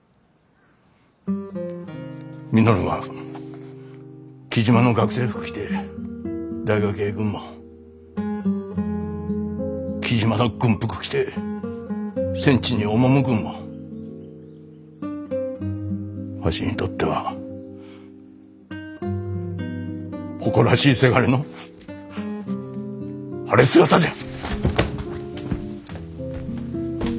稔が雉真の学生服着て大学へ行くんも雉真の軍服着て戦地に赴くんもわしにとっては誇らしいせがれの晴れ姿じゃ。